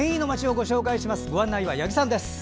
ご案内は八木さんです。